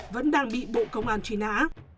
vẫn đang bị bộ công an truy nã